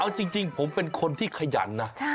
เอาจริงผมเป็นคนที่ขยันนะ